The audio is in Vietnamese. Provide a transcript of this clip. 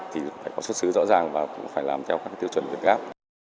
thì phải có xuất xứ rõ ràng và cũng phải làm theo các tiêu chuẩn việt gáp